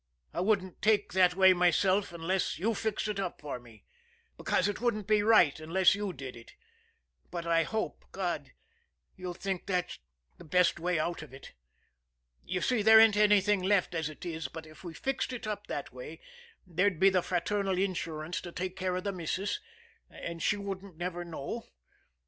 I wouldn't take that way myself unless You fixed it up for me, because it wouldn't be right unless You did it. But I hope, God, You'll think that's the best way out of it. You see, there ain't nothing left as it is, but if we fixed it that way there'd be the fraternal insurance to take care of the missus, and she wouldn't never know.